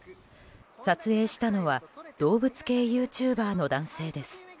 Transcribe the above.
撮影したのは動物系ユーチューバーの男性です。